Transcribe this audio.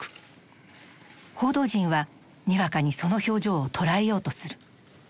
報道陣はにわかにその表情を捉えようとする。